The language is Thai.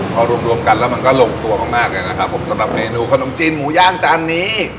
พอรวมรวมกันแล้วมันก็ลงตัวมากมากเลยนะครับผมสำหรับเมนูขนมจีนหมูย่างจานนี้